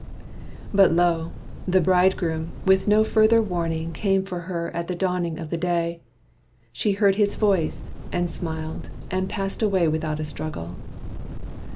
But lo! the bridegroom with no further warning Came for her at the dawning of the day. She heard his voice, and smiled, and passed away Without a struggle.